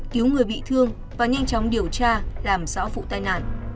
cứu người bị thương và nhanh chóng điều tra làm rõ vụ tai nạn